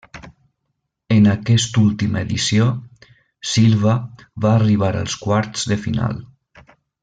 En aquesta última edició, Silva va arribar als quarts de final.